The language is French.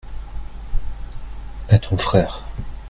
à ton frère.